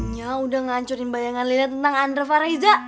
nya udah ngancurin bayangan liat tentang andra fahrizat